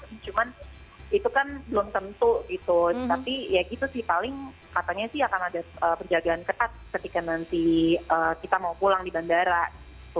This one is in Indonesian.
cuman itu kan belum tentu gitu tapi ya gitu sih paling katanya sih akan ada penjagaan ketat ketika nanti kita mau pulang di bandara gitu